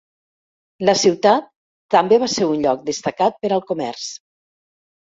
La ciutat també va ser un lloc destacat per al comerç.